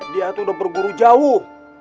dia itu udah berguru jauh